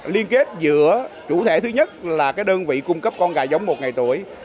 liên kết giữa chủ thể thứ nhất là đơn vị cung cấp con gà giống một ngày tuổi